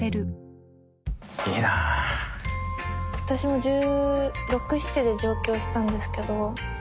私も１６１７で上京したんですけど。